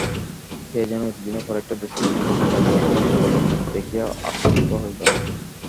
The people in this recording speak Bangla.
সে যেন এতদিনের পর একটা দুঃস্বপ্ন হইতে জাগিয়া উঠিয়া জগতের মুখ দেখিয়া আশ্বস্ত হইল।